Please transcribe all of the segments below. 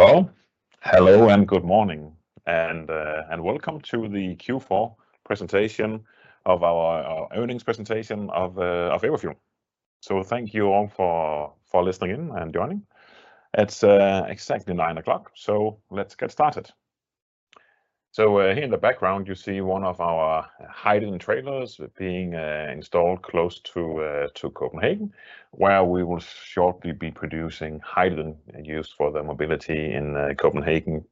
Well, hello and good morning, and welcome to the Q4 Presentation Of Our Earnings Presentation of Everfuel. Thank you all for listening in and joining. It's exactly 9:00 A.M., so let's get started. Here in the background, you see one of our hydrogen trailers being installed close to Copenhagen, where we will shortly be producing hydrogen used for the mobility in Copenhagen,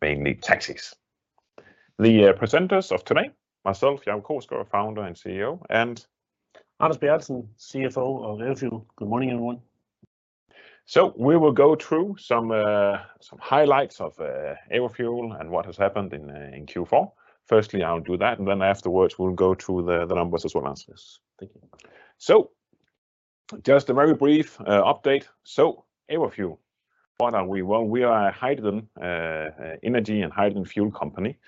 mainly taxis. The presenters of today, myself, Jacob Krogsgaard, Founder and CEO, and Anders Bertelsen, CFO of Everfuel. Good morning, everyone. We will go through some highlights of Everfuel and what has happened in Q4. Firstly, I'll do that, and then afterwards, we'll go through the numbers as well as this. Just a very brief update. Everfuel, what are we? Well, we are a hydrogen energy and hydrogen fuel company.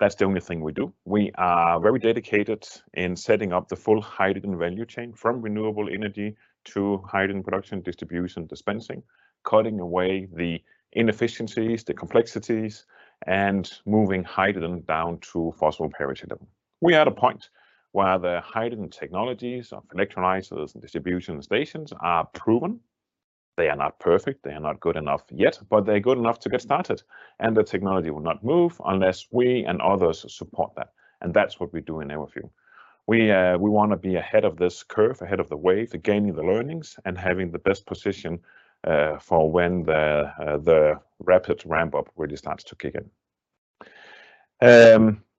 That's the only thing we do. We are very dedicated in setting up the full hydrogen value chain from renewable energy to hydrogen production, distribution, dispensing, cutting away the inefficiencies, the complexities, and moving hydrogen down to fossil parity level. We are at a point where the hydrogen technologies of electrolyzers and distribution stations are proven. They are not perfect. They are not good enough yet, but they're good enough to get started, and the technology will not move unless we and others support that, and that's what we do in Everfuel. We wanna be ahead of this curve, ahead of the wave, gaining the learnings, and having the best position for when the rapid ramp up really starts to kick in.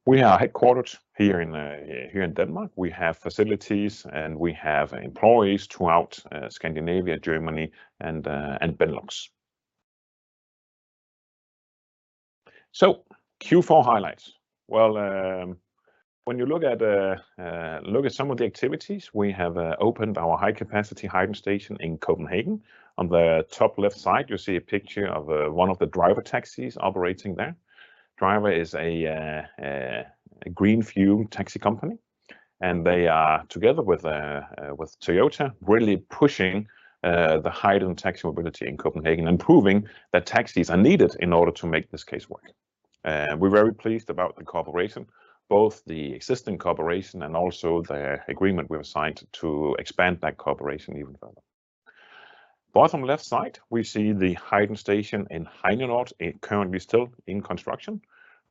We are headquartered here in Denmark. We have facilities, and we have employees throughout Scandinavia, Germany, and Benelux. Q4 highlights. Well, when you look at some of the activities, we have opened our high-capacity hydrogen station in Copenhagen. On the top left side, you see a picture of one of the DRIVR taxis operating there. DRIVR is a green fuel taxi company, and they are together with Toyota really pushing the hydrogen taxi mobility in Copenhagen and proving that taxis are needed in order to make this case work. We're very pleased about the cooperation, both the existing cooperation and also the agreement we have signed to expand that cooperation even further. Bottom left side, we see the hydrogen station in Heinenoord. It currently is still in construction.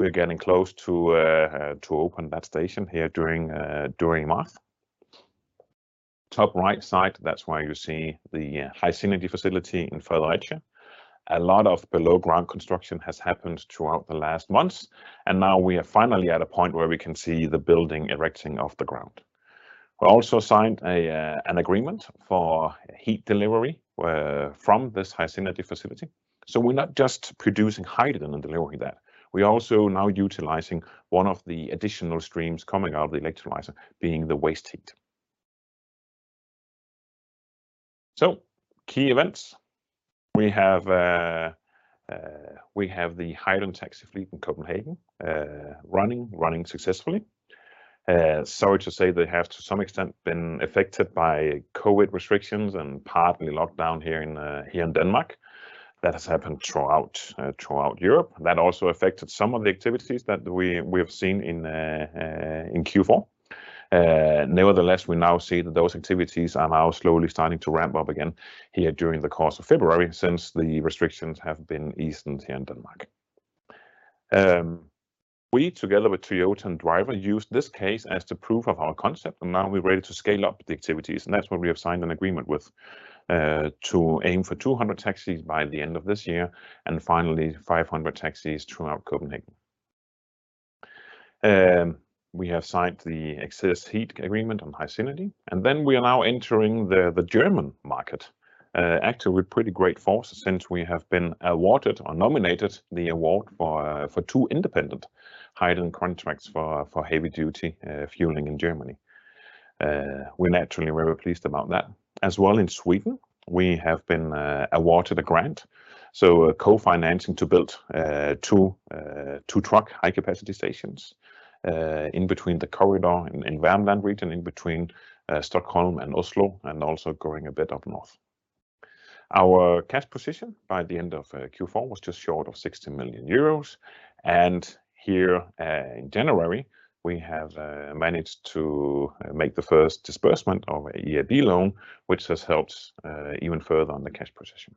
We're getting close to open that station here during March. Top right side, that's where you see the HySynergy facility in Fredericia. A lot of below-ground construction has happened throughout the last months, and now we are finally at a point where we can see the building erecting off the ground. We also signed an agreement for heat delivery from this HySynergy facility. We're not just producing hydrogen and delivering that. We're also now utilizing one of the additional streams coming out of the electrolyzer, being the waste heat. Key events. We have the hydrogen taxi fleet in Copenhagen running successfully. Sorry to say they have to some extent been affected by COVID restrictions and partly lockdown here in Denmark. That has happened throughout Europe. That also affected some of the activities that we have seen in Q4. Nevertheless, we now see that those activities are now slowly starting to ramp up again here during the course of February since the restrictions have been eased here in Denmark. We together with Toyota and DRIVR used this case as the proof of our concept, and now we're ready to scale up the activities, and that's why we have signed an agreement with to aim for 200 taxis by the end of this year and finally 500 taxis throughout Copenhagen. We have signed the excess heat agreement on HySynergy, and then we are now entering the German market actually with pretty great force since we have been awarded or nominated the award for two independent hydrogen contracts for heavy-duty fueling in Germany. We naturally were very pleased about that. As well in Sweden, we have been awarded a grant, so co-financing to build two truck high-capacity stations in between the corridor in Värmland region in between Stockholm and Oslo and also going a bit up north. Our cash position by the end of Q4 was just short of 60 million euros, and here in January, we have managed to make the first disbursement of a EIB loan, which has helped even further on the cash position.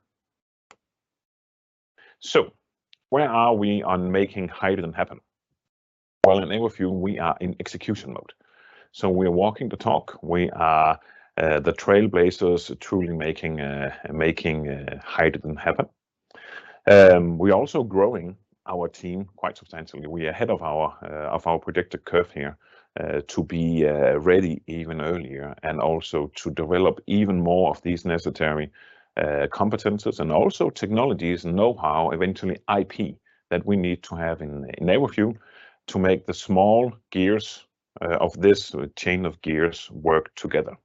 Where are we on making hydrogen happen? Well, in Everfuel, we are in execution mode, so we're walking the talk. We are the trailblazers truly making hydrogen happen. We're also growing our team quite substantially. We are ahead of our predicted curve here to be ready even earlier and also to develop even more of these necessary competencies and also technologies and know-how, eventually IP, that we need to have in Everfuel to make the small gears of this chain of gears work together.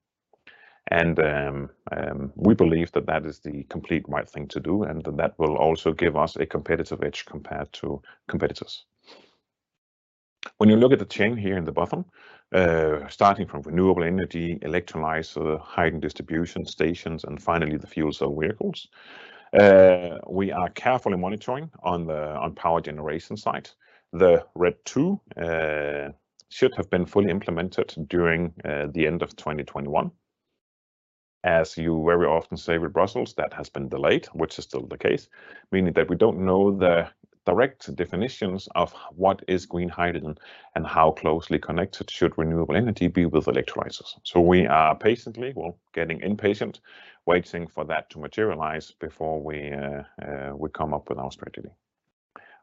We believe that is the complete right thing to do, and that will also give us a competitive edge compared to competitors. When you look at the chain here in the bottom, starting from renewable energy, electrolyzer, hydrogen distribution stations, and finally, the fuel cell vehicles. We are carefully monitoring on the power generation site. The RED II should have been fully implemented during the end of 2021. As you very often say with Brussels, that has been delayed, which is still the case, meaning that we don't know the direct definitions of what is green hydrogen and how closely connected should renewable energy be with electrolyzers. We are patiently, well, getting impatient, waiting for that to materialize before we come up with our strategy.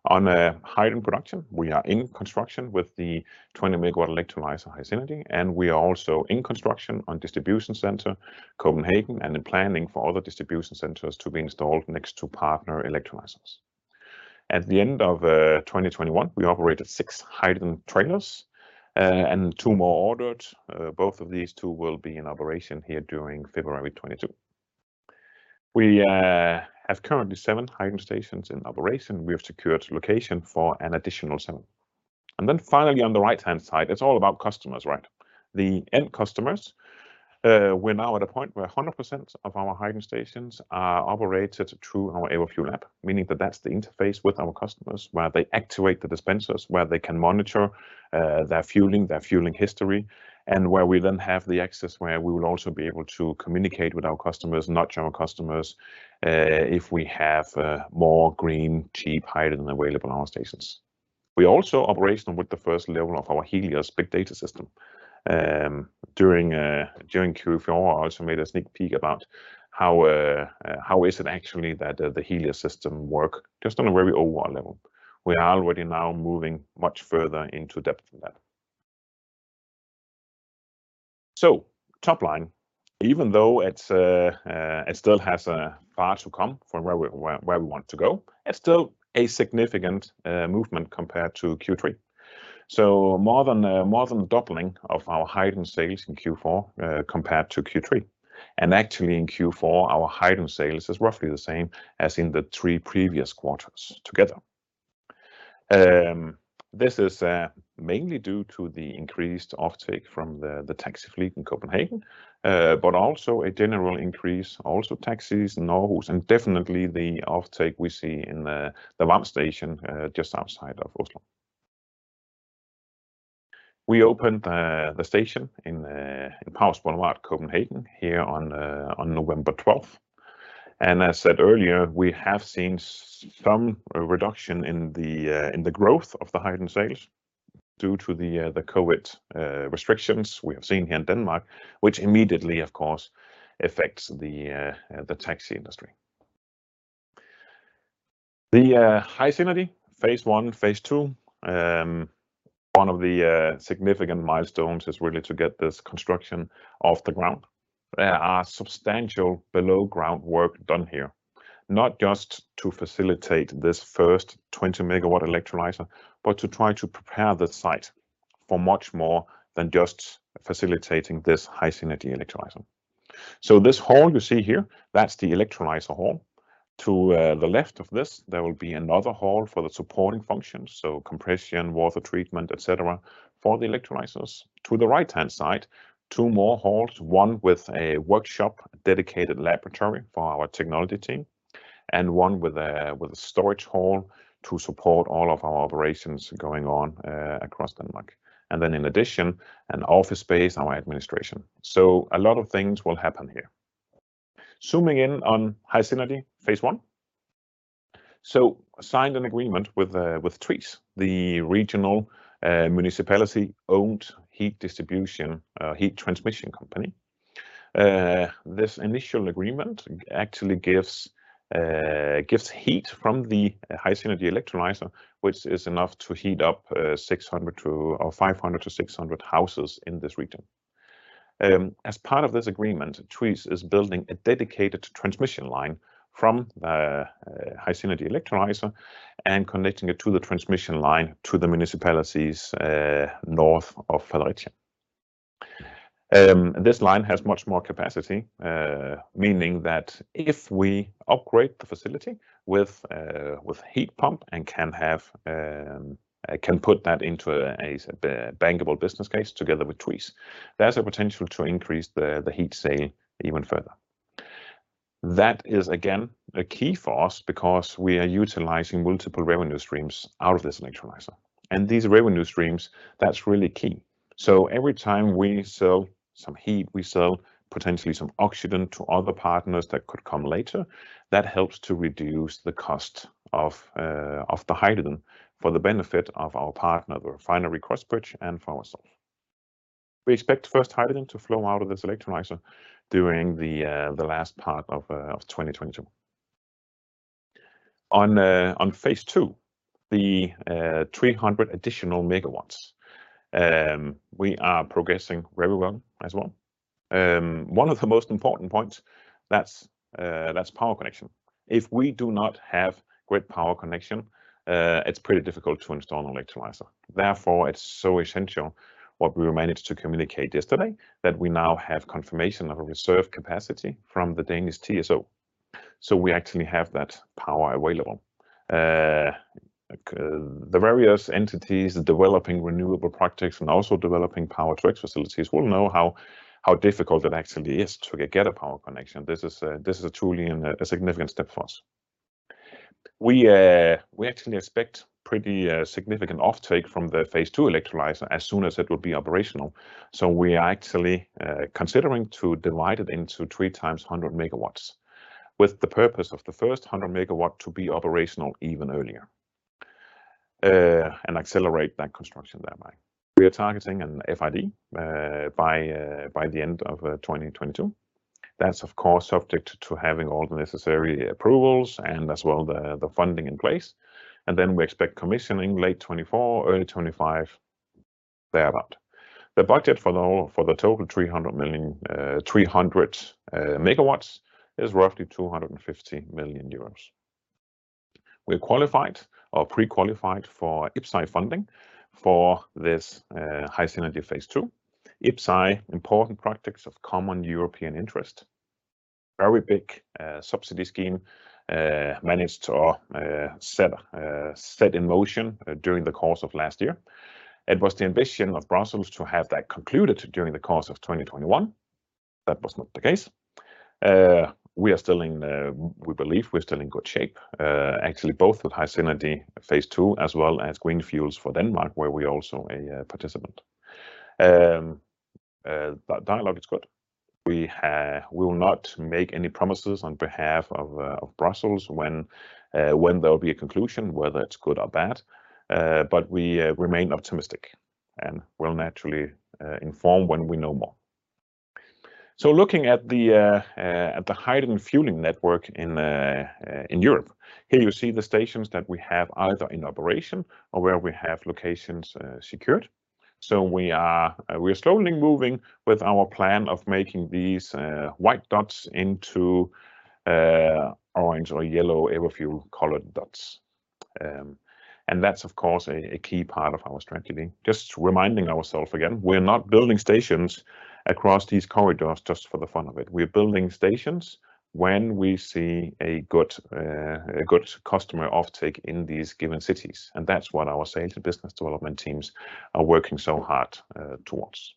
On the hydrogen production, we are in construction with the 20-MW electrolyzer HySynergy, and we are also in construction on distribution center Copenhagen, and in planning for other distribution centers to be installed next to partner electrolyzers. At the end of 2021, we operated six hydrogen trailers, and two more ordered. Both of these two will be in operation here during February 2022. We have currently seven hydrogen stations in operation. We have secured location for an additional seven. Finally, on the right-hand side, it's all about customers, right? The end customers. We're now at a point where 100% of our hydrogen stations are operated through our Everfuel app, meaning that that's the interface with our customers, where they actuate the dispensers, where they can monitor their fueling history, and where we then have the access where we will also be able to communicate with our customers, not general customers, if we have more green, cheap hydrogen available at our stations. We are also operational with the first level of our Helios big data system. During Q4, I also made a sneak peek about how is it actually that the Helios system work, just on a very overall level. We are already now moving much further into depth than that. Top line, even though it still has a far to come from where we want to go, it's still a significant movement compared to Q3. More than a doubling of our hydrogen sales in Q4 compared to Q3. Actually, in Q4, our hydrogen sales is roughly the same as in the three previous quarters together. This is mainly due to the increased offtake from the taxi fleet in Copenhagen, but also a general increase, also taxis, and definitely the offtake we see in the Hvam station just outside of Oslo. We opened the station in Prags Boulevard, Copenhagen, here on November 12th. As said earlier, we have seen some reduction in the growth of the hydrogen sales due to the COVID restrictions we have seen here in Denmark, which immediately, of course, affects the taxi industry. The HySynergy phase I, phase II. One of the significant milestones is really to get this construction off the ground. There are substantial below-ground work done here, not just to facilitate this first 20 MW electrolyzer, but to try to prepare the site for much more than just facilitating this HySynergy electrolyzer. This hall you see here, that's the electrolyzer hall. To the left of this, there will be another hall for the supporting functions, so compression, water treatment, et cetera, for the electrolyzers. To the right-hand side, two more halls, one with a workshop, a dedicated laboratory for our technology team, and one with a storage hall to support all of our operations going on across Denmark. In addition, an office space, our administration. A lot of things will happen here. Zooming in on HySynergy phase I. Signed an agreement with Twice, the regional municipality-owned heat distribution heat transmission company. This initial agreement actually gives heat from the HySynergy electrolyzer, which is enough to heat up 500, 600 houses in this region. As part of this agreement, Twice is building a dedicated transmission line from the HySynergy electrolyzer and connecting it to the transmission line to the municipalities north of Fredericia. This line has much more capacity, meaning that if we upgrade the facility with heat pump and can put that into a bankable business case together with Twice, there's a potential to increase the heat sale even further. That is, again, a key for us because we are utilizing multiple revenue streams out of this electrolyzer. These revenue streams, that's really key. Every time we sell some heat, we sell potentially some oxygen to other partners that could come later. That helps to reduce the cost of the hydrogen for the benefit of our partner, the final request bridge, and for ourselves. We expect first hydrogen to flow out of this electrolyzer during the last part of 2022. On phase II, the 300 additional MW, we are progressing very well as well. One of the most important points, that's power connection. If we do not have great power connection, it's pretty difficult to install an electrolyzer. Therefore, it's so essential what we managed to communicate yesterday, that we now have confirmation of a reserve capacity from the Danish TSO. So we actually have that power available. The various entities developing renewable projects and also developing Power-to-X facilities will know how difficult it actually is to get a power connection. This is truly a significant step for us. We actually expect pretty significant offtake from the phase II electrolyzer as soon as it will be operational. We are actually considering to divide it into three 100 MW with the purpose of the first 100 MW to be operational even earlier, and accelerate that construction that way. We are targeting an FID by the end of 2022. That's of course subject to having all the necessary approvals and as well the funding in place. We expect commissioning late 2024, early 2025, thereabout. The budget for the whole, for the total 300 MW is roughly 250 million euros. We're qualified or pre-qualified for IPCEI funding for this HySynergy phase II. IPCEI, Important Projects of Common European Interest. Very big subsidy scheme, managed to set in motion during the course of last year. It was the ambition of Brussels to have that concluded during the course of 2021. That was not the case. We are still in, we believe we're still in good shape, actually both with HySynergy phase II as well as Green Fuels for Denmark, where we're also a participant. That dialogue is good. We will not make any promises on behalf of Brussels when there will be a conclusion, whether it's good or bad. But we remain optimistic and will naturally inform when we know more. Looking at the hydrogen fueling network in Europe. Here you see the stations that we have either in operation or where we have locations secured. We are slowly moving with our plan of making these white dots into orange or yellow Everfuel colored dots. That's of course a key part of our strategy. Just reminding ourselves again, we're not building stations across these corridors just for the fun of it. We're building stations when we see a good customer offtake in these given cities, and that's what our sales and business development teams are working so hard towards.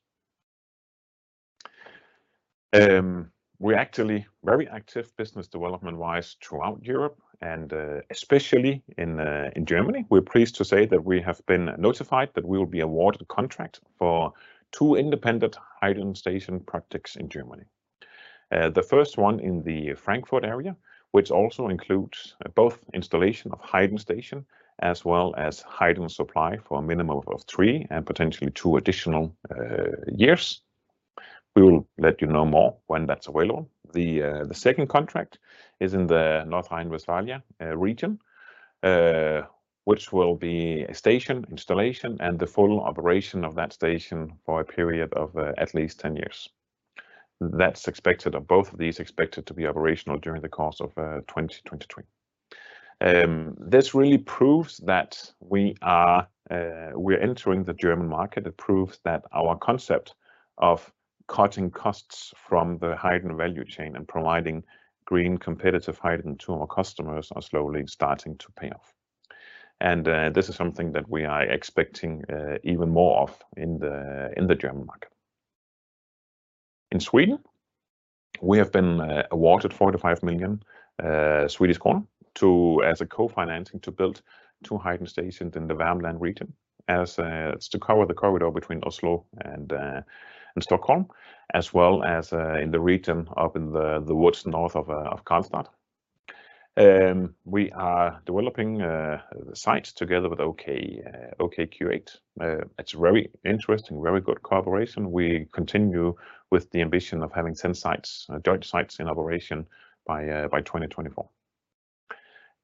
We're actually very active business development-wise throughout Europe and especially in Germany. We're pleased to say that we have been notified that we will be awarded a contract for two independent hydrogen station projects in Germany. The first one in the Frankfurt area, which also includes both installation of hydrogen station as well as hydrogen supply for a minimum of three and potentially two additional years. We will let you know more when that's available. The second contract is in the North Rhine-Westphalia region, which will be a station installation and the full operation of that station for a period of at least 10 years. That's expected, or both of these expected to be operational during the course of 2023. This really proves that we're entering the German market. It proves that our concept of cutting costs from the hydrogen value chain and providing green competitive hydrogen to our customers are slowly starting to pay off. This is something that we are expecting even more of in the German market. In Sweden, we have been awarded 45 million as a co-financing to build two hydrogen stations in the Värmland region to cover the corridor between Oslo and Stockholm, as well as in the region up in the woods north of Karlstad. We are developing the sites together with OKQ8. It's very interesting, very good cooperation. We continue with the ambition of having 10 joint sites in operation by 2024.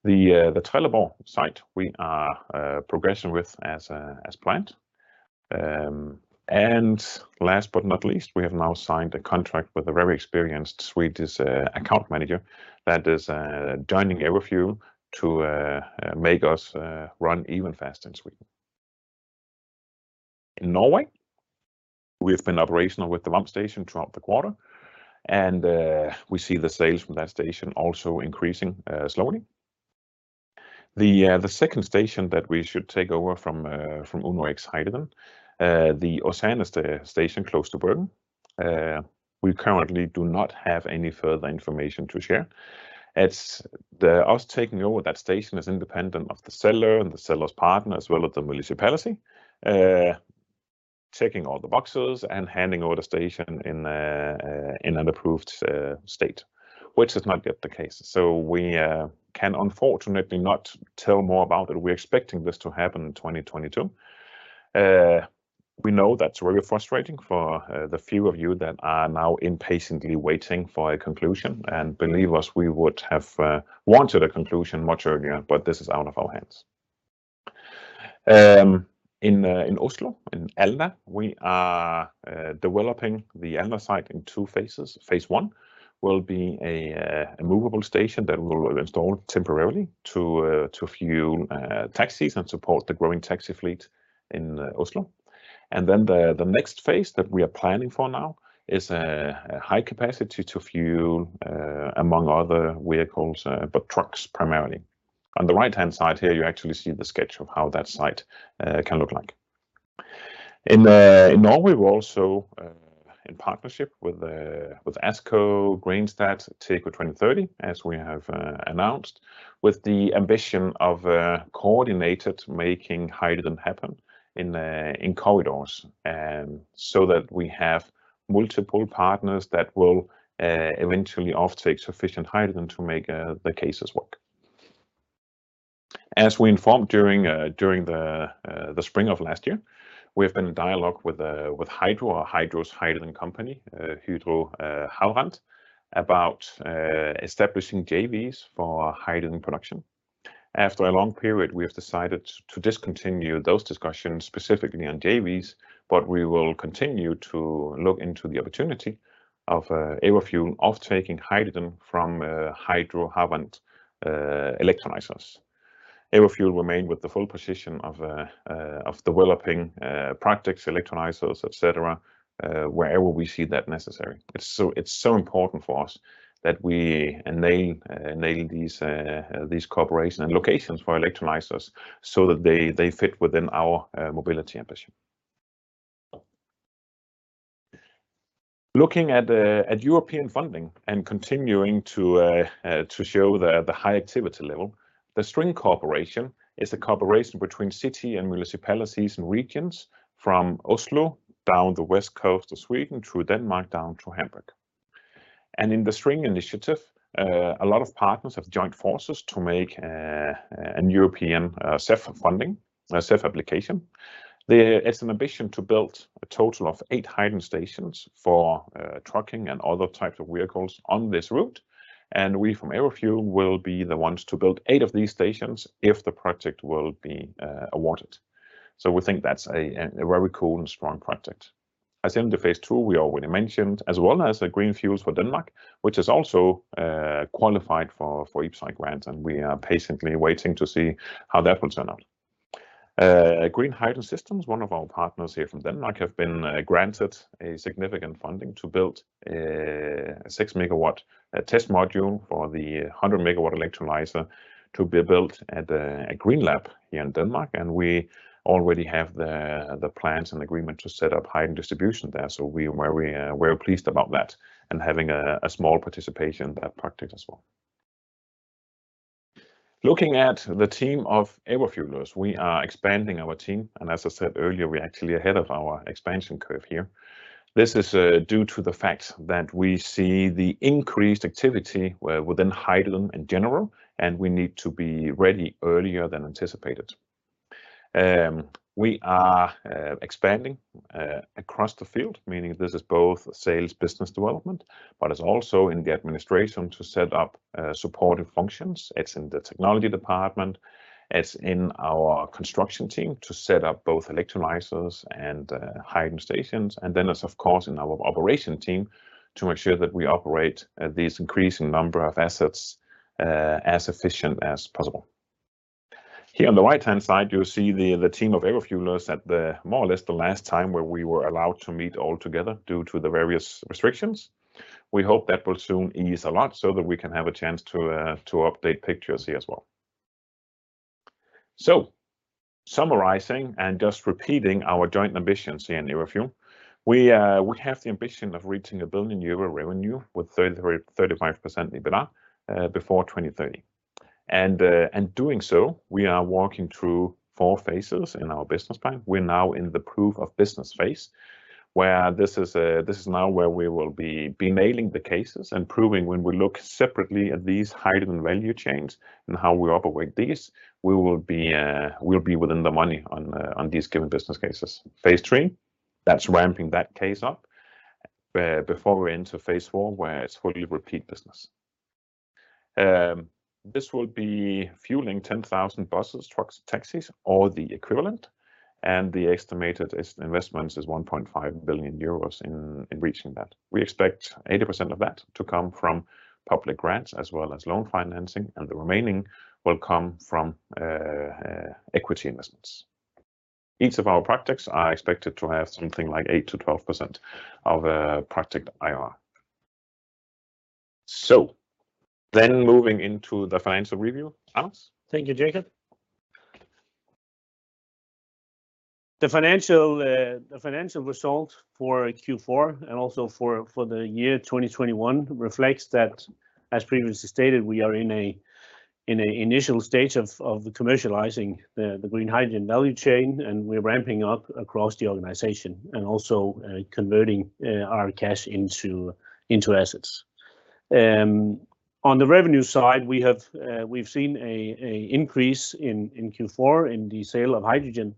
The Trelleborg site we are progressing with as planned. Last but not least, we have now signed a contract with a very experienced Swedish account manager that is joining Everfuel to make us run even faster in Sweden. In Norway, we have been operational with the pump station throughout the quarter, and we see the sales from that station also increasing slowly. The second station that we should take over from Uno-X Hydrogen, the Åsane station close to Bergen, we currently do not have any further information to share. It's us taking over that station is independent of the seller and the seller's partner, as well as the municipality checking all the boxes and handing over the station in an approved state, which is not yet the case. We can unfortunately not tell more about it. We're expecting this to happen in 2022. We know that's really frustrating for the few of you that are now impatiently waiting for a conclusion, and believe us, we would have wanted a conclusion much earlier, but this is out of our hands. In Oslo, in Alna, we are developing the Alna site in two phases. Phase I will be a movable station that we will install temporarily to fuel taxis and support the growing taxi fleet in Oslo. The next phase that we are planning for now is a high capacity to fuel among other vehicles, but trucks primarily. On the right-hand side here, you actually see the sketch of how that site can look like. In Norway we're also in partnership with ASKO, Greenstat, TECO 2030, as we have announced, with the ambition of coordinating to make hydrogen happen in corridors, so that we have multiple partners that will eventually offtake sufficient hydrogen to make the cases work. As we informed during the spring of last year, we have been in dialogue with Hydro, or Hydro's hydrogen company, Hydro Havrand, about establishing JVs for hydrogen production. After a long period, we have decided to discontinue those discussions, specifically on JVs, but we will continue to look into the opportunity of Everfuel offtaking hydrogen from Hydro Havrand electrolyzers. Everfuel remain with the full position of developing practical electrolyzers et cetera, wherever we see that necessary. It's so important for us that we nail these cooperation and locations for electrolyzers so that they fit within our mobility ambition. Looking at European funding and continuing to show the high activity level, the STRING cooperation is a cooperation between city and municipalities and regions from Oslo down the west coast of Sweden, through Denmark, down to Hamburg. In the STRING initiative, a lot of partners have joined forces to make a European CEF funding CEF application. It's an ambition to build a total of eight hydrogen stations for trucking and other types of vehicles on this route, and we from Everfuel will be the ones to build eight of these stations if the project will be awarded. We think that's a very cool and strong project. In the phase II we already mentioned, as well as the Green Fuels for Denmark, which is also qualified for IPCEI grants, and we are patiently waiting to see how that will turn out. Green Hydrogen Systems, one of our partners here from Denmark, have been granted a significant funding to build a 6 MW test module for the 100 MW electrolyzer to be built at GreenLab here in Denmark, and we already have the plans and agreement to set up hydrogen distribution there. We're very pleased about that, and having a small participation in that project as well. Looking at the team of Everfuelers, we are expanding our team and, as I said earlier, we're actually ahead of our expansion curve here. This is due to the fact that we see the increased activity within hydrogen in general, and we need to be ready earlier than anticipated. We are expanding across the field, meaning this is both sales business development, but it's also in the administration to set up supportive functions. It's in the technology department. It's in our construction team to set up both electrolyzers and hydrogen stations. Then it's of course in our operation team to make sure that we operate these increasing number of assets as efficient as possible. Here on the right-hand side, you'll see the team of Everfuelers at more or less the last time where we were allowed to meet all together due to the various restrictions. We hope that will soon ease a lot so that we can have a chance to update pictures here as well. Summarizing, and just repeating our joint ambitions here in Everfuel, we have the ambition of reaching 1 billion euro revenue with 30%-35% EBITDA before 2030. Doing so, we are walking through four phases in our business plan. We're now in the proof of business phase, where this is now where we will be nailing the cases and proving when we look separately at these hydrogen value chains and how we operate these, we'll be within the money on these given business cases. Phase III, that's ramping that case up before we enter phase IV, where it's fully repeat business. This will be fueling 10,000 buses, trucks, taxis or the equivalent, and the estimated investments is 1.5 billion euros in reaching that. We expect 80% of that to come from public grants as well as loan financing, and the remaining will come from equity investments. Each of our projects are expected to have something like 8%-12% project IRR. Moving into the financial review, Anders. Thank you, Jacob. The financial result for Q4 and also for the year 2021 reflects that, as previously stated, we are in an initial stage of commercializing the green hydrogen value chain, and we're ramping up across the organization and also converting our cash into assets. On the revenue side, we've seen an increase in Q4 in the sale of hydrogen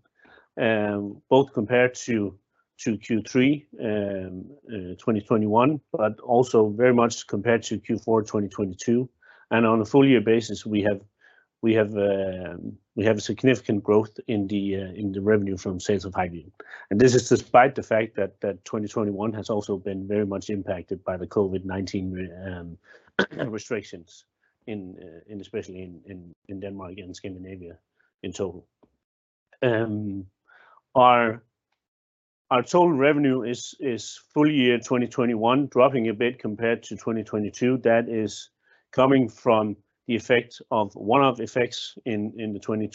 both compared to Q3 2021, but also very much compared to Q4 2022. On a full year basis, we have a significant growth in the revenue from sales of hydrogen, and this is despite the fact that 2021 has also been very much impacted by the COVID-19 restrictions in... Especially in Denmark and Scandinavia in total. Our total revenue for full year 2021 is dropping a bit compared to 2020. That is coming from the effect of one-off effects in the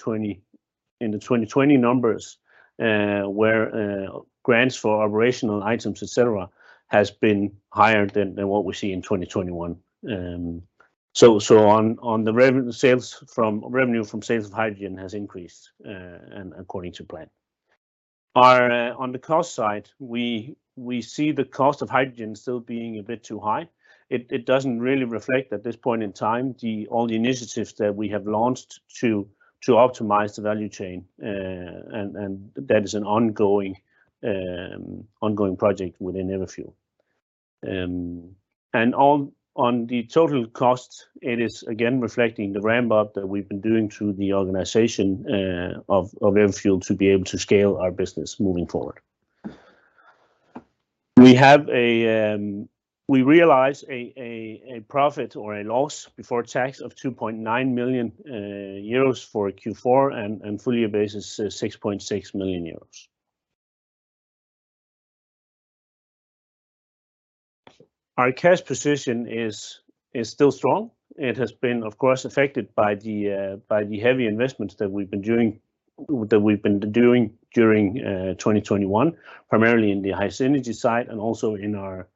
2020 numbers, where grants for operational items, et cetera, has been higher than what we see in 2021. On the revenue from sales of hydrogen has increased and according to plan. On the cost side, we see the cost of hydrogen still being a bit too high. It doesn't really reflect at this point in time all the initiatives that we have launched to optimize the value chain. That is an ongoing project within Everfuel. On the total costs, it is again reflecting the ramp-up that we've been doing through the organization of Everfuel to be able to scale our business moving forward. We realize a profit or a loss before tax of 2.9 million euros for Q4 and full year basis 6.6 million euros. Our cash position is still strong. It has been, of course, affected by the heavy investments that we've been doing during 2021, primarily in the HySynergy site and also in our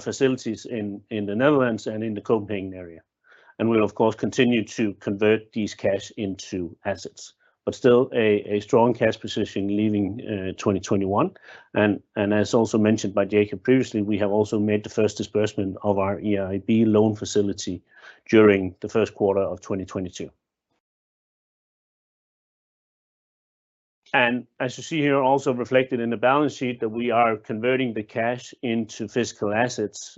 facilities in the Netherlands and in the Copenhagen area. We'll of course continue to convert this cash into assets, but still a strong cash position leaving 2021. As also mentioned by Jacob previously, we have also made the first disbursement of our EIB loan facility during the first quarter of 2022. As you see here, also reflected in the balance sheet that we are converting the cash into physical assets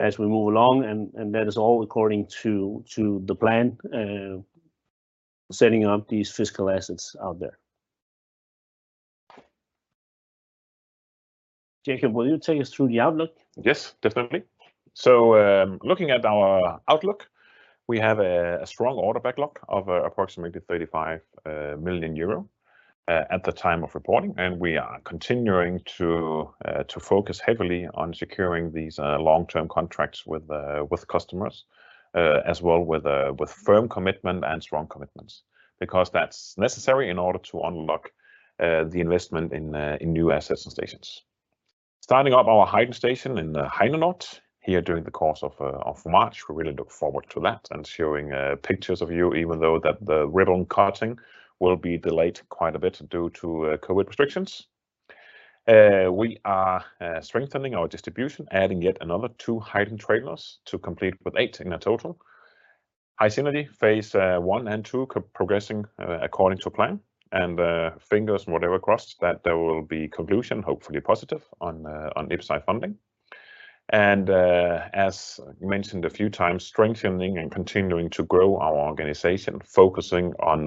as we move along. That is all according to the plan, setting up these physic]]al assets out there. Jacob, will you take us through the outlook? Yes, definitely. Looking at our outlook, we have a strong order backlog of approximately 35 million euro at the time of reporting, and we are continuing to focus heavily on securing these long-term contracts with customers as well with firm commitment and strong commitments because that's necessary in order to unlock the investment in new assets and stations, starting up our hydrogen station in Heiligenhafen here during the course of March. We really look forward to that and showing pictures of you, even though the ribbon cutting will be delayed quite a bit due to COVID restrictions. We are strengthening our distribution, adding yet another two hydrogen trailers to complete with eight in total. HySynergy phase I and II progressing according to plan, fingers and whatever crossed that there will be conclusion, hopefully positive on IPCEI funding. As mentioned a few times, strengthening and continuing to grow our organization, focusing on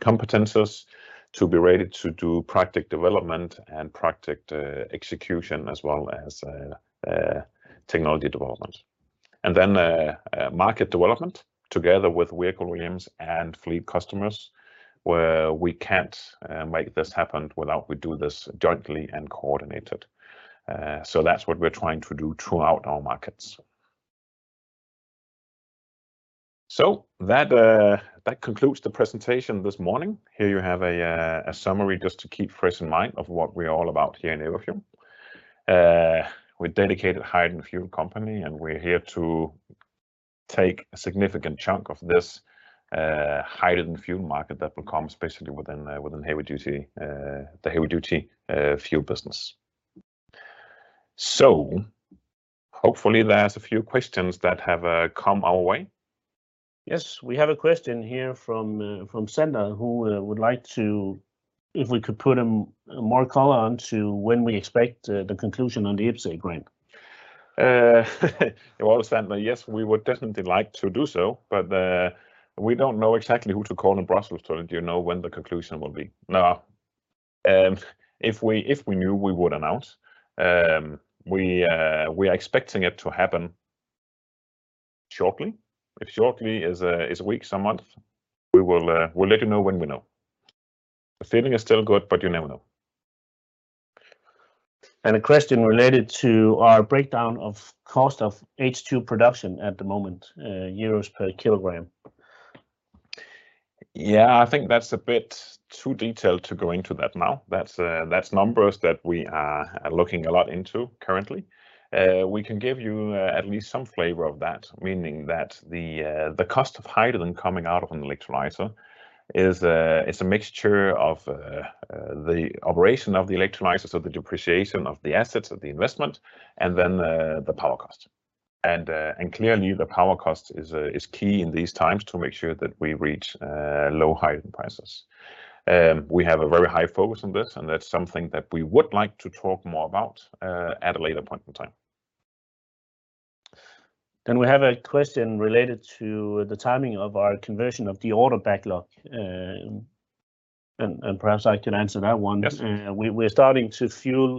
competencies to be ready to do project development and project execution as well as technology development. Then, market development together with vehicle OEMs and fleet customers, where we can't make this happen without we do this jointly and coordinated. That's what we're trying to do throughout our markets. That concludes the presentation this morning. Here you have a summary just to keep fresh in mind of what we're all about here in Everfuel. We're a dedicated hydrogen fuel company, and we're here to take a significant chunk of this hydrogen fuel market that will come especially within the heavy duty fuel business. Hopefully there's a few questions that have come our way. Yes. We have a question here from Sander, who would like to, if we could put more color onto when we expect the conclusion on the IPCEI grant. Well, Sander, yes, we would definitely like to do so, but we don't know exactly who to call in Brussels to, you know, when the conclusion will be. No. If we knew, we would announce. We are expecting it to happen shortly. If shortly is a week, some month, we will let you know when we know. The feeling is still good, but you never know. A question related to our breakdown of cost of H2 production at the moment, EUR per kilogram. Yeah. I think that's a bit too detailed to go into that now. That's numbers that we are looking a lot into currently. We can give you at least some flavor of that, meaning that the cost of hydrogen coming out of an electrolyzer is a mixture of the operation of the electrolyzers or the depreciation of the assets of the investment, and then the power cost. Clearly the power cost is key in these times to make sure that we reach low hydrogen prices. We have a very high focus on this, and that's something that we would like to talk more about at a later point in time. We have a question related to the timing of our conversion of the order backlog. And perhaps I could answer that one. Yes. We're starting to fuel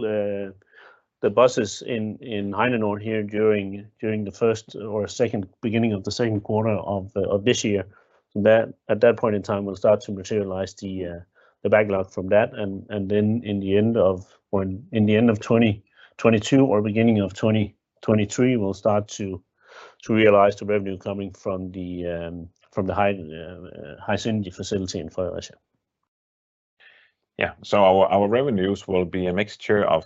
the buses in Heinenoord here during the first or second, beginning of the second quarter of this year. That at that point in time will start to materialize the backlog from that. In the end of 2022 or beginning of 2023, we'll start to realize the revenue coming from the HySynergy facility in Fredericia. Yeah. Our revenues will be a mixture of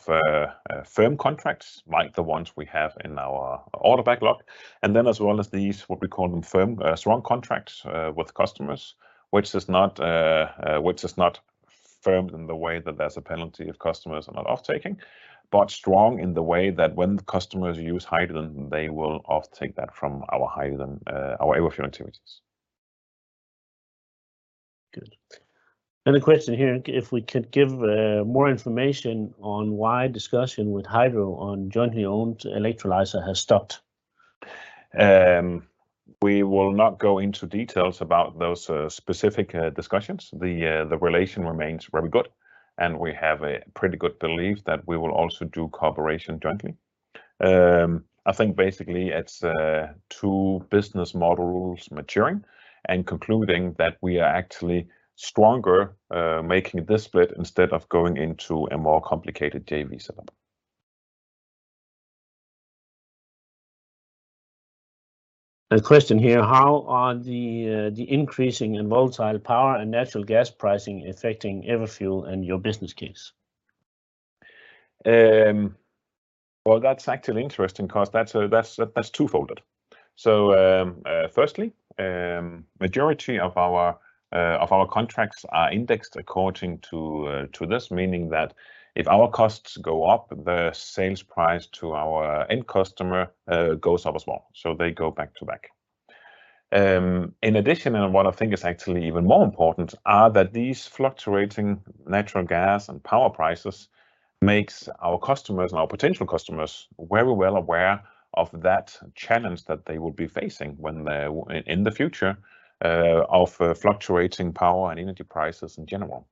firm contracts, like the ones we have in our order backlog, and then as well as these, what we call them firm strong contracts with customers, which is not firm in the way that there's a penalty if customers are not off-taking. But strong in the way that when the customers use hydrogen, they will off-take that from our hydrogen Everfuel activities. Good. The question here, if we could give, more information on why discussion with Hydro on jointly owned electrolyzer has stopped? We will not go into details about those specific discussions. The relation remains very good, and we have a pretty good belief that we will also do cooperation jointly. I think basically it's two business models maturing and concluding that we are actually stronger making this split instead of going into a more complicated JV setup. A question here, how are the increasing and volatile power and natural gas pricing affecting Everfuel and your business case? Well, that's actually interesting 'cause that's twofold. Firstly, majority of our contracts are indexed according to this, meaning that if our costs go up, the sales price to our end customer goes up as well. So they go back-to-back. In addition, and what I think is actually even more important, are that these fluctuating natural gas and power prices makes our customers and our potential customers very well aware of that challenge that they will be facing when they're in the future of fluctuating power and energy prices in general.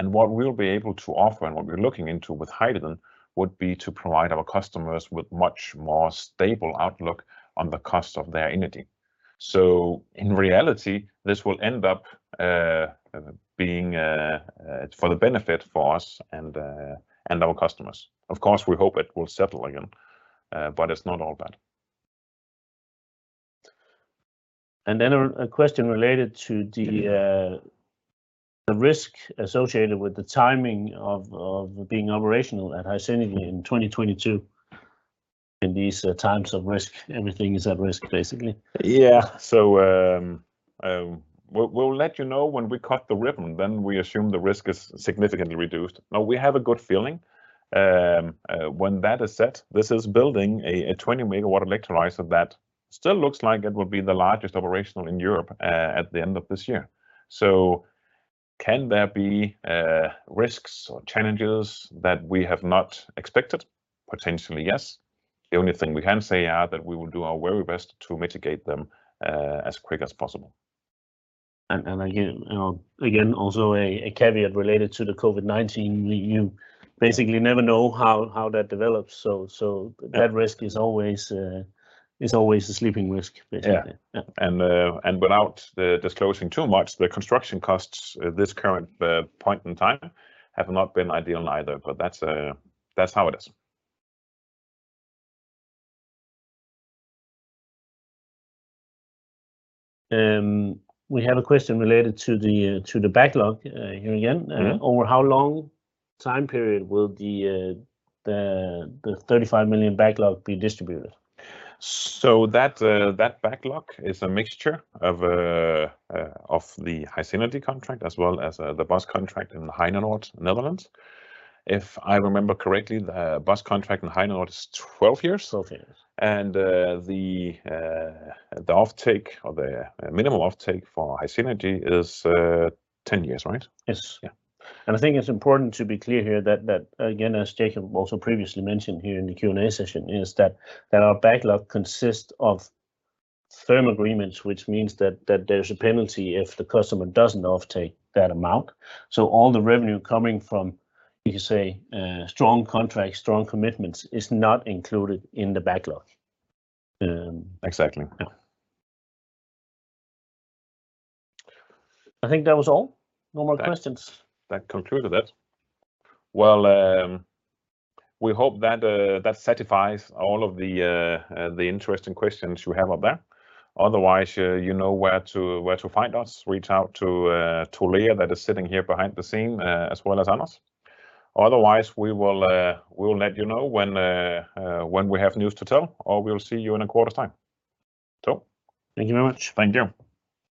What we'll be able to offer and what we're looking into with hydrogen would be to provide our customers with much more stable outlook on the cost of their energy. In reality, this will end up being for the benefit for us and our customers. Of course, we hope it will settle again, but it's not all bad. A question related to the risk associated with the timing of being operational at HySynergy in 2022. In these times of risk, everything is at risk, basically. Yeah. We'll let you know when we cut the ribbon, then we assume the risk is significantly reduced. Now, we have a good feeling when that is set, this is building a 20 MW electrolyzer that still looks like it will be the largest operational in Europe at the end of this year. Can there be risks or challenges that we have not expected? Potentially, yes. The only thing we can say are that we will do our very best to mitigate them as quick as possible. Again, also a caveat related to the COVID-19, you basically never know how that develops. That risk is always a sleeping risk, basically. Yeah. Yeah. Without disclosing too much, the construction costs at this current point in time have not been ideal either, but that's how it is. We have a question related to the backlog here again. Mm-hmm. Over how long time period will the 35 million backlog be distributed? That backlog is a mixture of the HySynergy contract as well as the bus contract in Heinenoord, Netherlands. If I remember correctly, the bus contract in Heinenoord is 12 years. 12 years. The off-take or the minimal off-take for HySynergy is 10 years, right? Yes. Yeah. I think it's important to be clear here that, again, as Jacob also previously mentioned in the Q&A session, our backlog consists of firm agreements, which means that there's a penalty if the customer doesn't off-take that amount. All the revenue coming from, you could say, strong contracts, strong commitments, is not included in the backlog. Exactly. Yeah. I think that was all. No more questions. That concluded it. Well, we hope that satisfies all of the interesting questions you have out there. Otherwise, you know where to find us. Reach out to Leah, that is sitting here behind the scene, as well as Anders. Otherwise, we will let you know when we have news to tell, or we'll see you in a quarter's time. Thank you very much. Thank you.